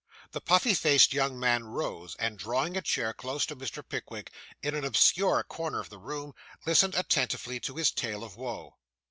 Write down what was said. The puffy faced young man rose, and drawing a chair close to Mr. Pickwick in an obscure corner of the room, listened attentively to his tale of woe.